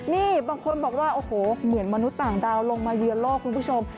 นี่บางคนบอกว่าโอ้โหเหมือนมนุษย์ต่างดาวลงมาเยือนโลกคุณผู้ชม